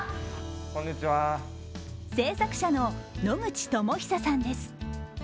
制作者の野口朋寿さんです。